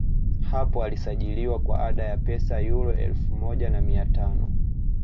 hapo alisajiliwa kwa ada ya pesa yuro elfu moja na mia tano